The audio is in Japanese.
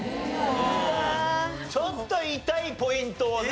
ちょっと痛いポイントをね